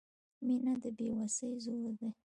• مینه د بې وسۍ زور دی.